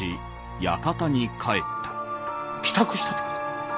帰宅したってこと？